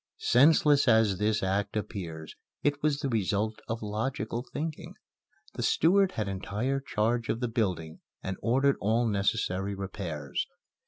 Senseless as this act appears it was the result of logical thinking. The steward had entire charge of the building and ordered all necessary repairs.